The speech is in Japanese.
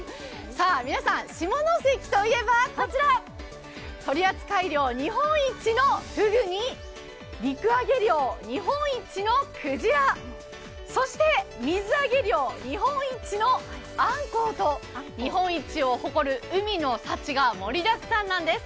皆さん、下関といえばこちら、取扱量日本一のフグに陸揚げ量日本一のクジラ、そして水揚げ量日本一のアンコウと、日本一を誇る海の幸が盛りだくさんなんです。